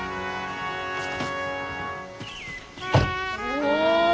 お！